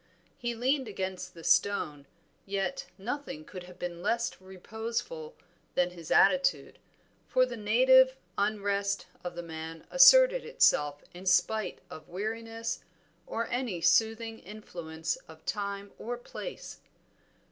He leaned against the stone, yet nothing could have been less reposeful than his attitude, for the native unrest of the man asserted itself in spite of weariness or any soothing influence of time or place.